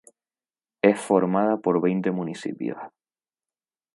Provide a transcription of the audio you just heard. Es formada por veinte municipios.